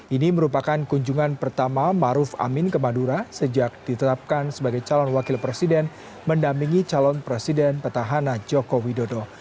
ini merupakan kunjungan pertama maruf amin ke madura sejak ditetapkan sebagai calon wakil presiden mendampingi calon presiden petahana joko widodo